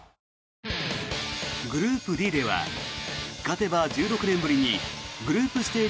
グループＤでは勝てば１６年ぶりにグループステージ